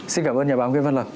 xin cảm ơn nhà báo nguyễn văn lập